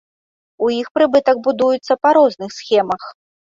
У іх прыбытак будуецца па розных схемах.